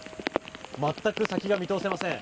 全く先が見通せません。